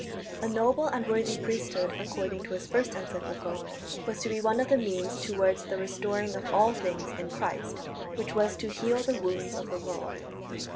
A noble and worthy priesthood, according to his first encyclical, was to be one of the means towards that restoring of all things in Christ "which was to heal the wounds of the world."